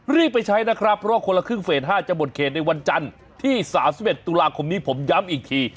ไปใช้นะครับเพราะว่าคนละครึ่งเฟส๕จะหมดเขตในวันจันทร์ที่๓๑ตุลาคมนี้ผมย้ำอีกที